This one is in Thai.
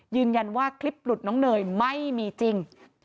ยืนยันว่าคลิปหลุดน้องเนยไม่มีจริง